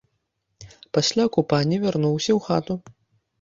Пасля купання вярнуўся ў хату.